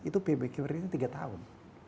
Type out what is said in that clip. itu pbq ini tiga tahun